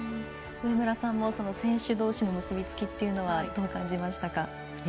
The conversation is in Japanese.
上村さんも選手どうしの結びつきというのはどう感じましたか？